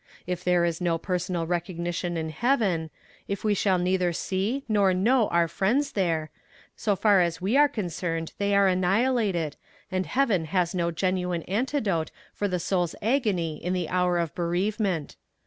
If there is no personal recognition in heaven, if we shall neither see nor know our friends there, so far as we are concerned they are annihilated, and heaven has no genuine antidote for the soul's agony in the hour of bereavement.